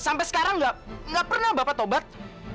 sampai sekarang nggak pernah bapak tobat